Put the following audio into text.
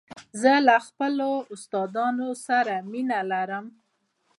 زه له خپلو استادانو سره مینه لرم.